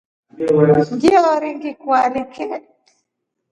Ngiori ngikualike.